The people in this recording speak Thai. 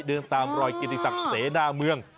ดึงตามรอยกิจสักเสนาเมือง